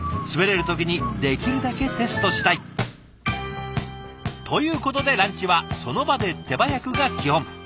滑れる時にできるだけテストしたい。ということでランチはその場で手早くが基本。